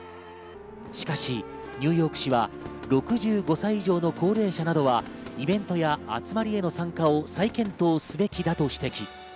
しかしニューヨーク市は６５歳以上の高齢者などはイベントや集まりへの参加を再検討すべきだと指摘。